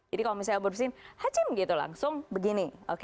jadi kalau misalnya berbicara hacm gitu langsung begini